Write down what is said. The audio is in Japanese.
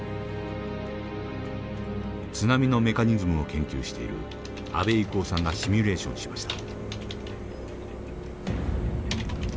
津波のメカニズムを研究している阿部郁男さんがシミュレーションしました。